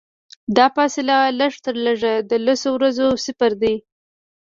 دا فاصله لږترلږه د لسو ورځو سفر دی.